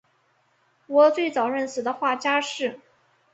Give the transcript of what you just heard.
我最早认识的画家是